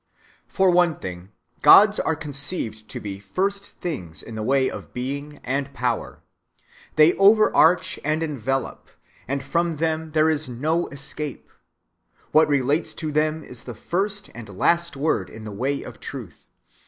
For one thing, gods are conceived to be first things in the way of being and power. They overarch and envelop, and from them there is no escape. What relates to them is the first and last word in the way of truth.